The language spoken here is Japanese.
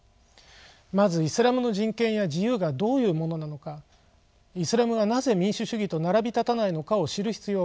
まずイスラムの人権や自由がどういうものなのかイスラムはなぜ民主主義と並び立たないのかを知る必要があります。